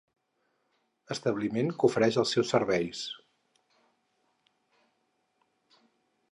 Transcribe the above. Establiment que ofereix els seus servis.